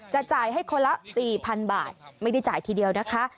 จะจ่ายให้คนละ๔๐๐๐บาทไม่ได้จ่ายทีเดียวนะคะ